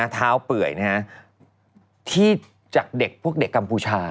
เท้าเปื่อยที่จากเด็กพวกเด็กกัมพูชา